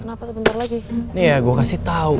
kenapa sebentar lagi nih ya gue kasih tau